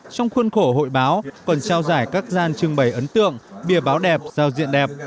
trong khuôn khổ hội báo còn trao giải các gian trưng bày ấn tượng bìa báo đẹp giao diện đẹp